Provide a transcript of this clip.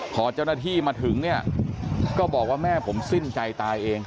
พอเจ้าหน้าที่มาถึงเนี่ยก็บอกว่าแม่ผมสิ้นใจตายเอง